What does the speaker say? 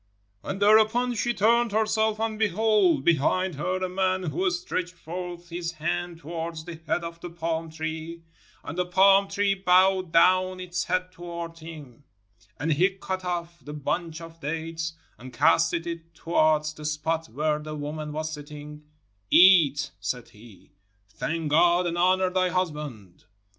"And thereupon she turned herself, and, behold, behind her a man, who stretched forth his hand towards the head of the pahn tree, and the palm tree bowed down its head towards him ; and he cut oflf the bunch of dates, and, casting it towards the spot where the woman was sitting, 'Eat,' said he, 'thank God, and honor thy husband.'